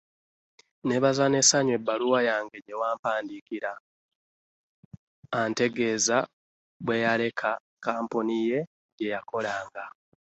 Nneebaza n'essanyu ebbaluwa yange gye wampandiikira antegeeza bwe yaleka kampuni ye gye yakolanga.